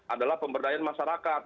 adalah pemberdayaan masyarakat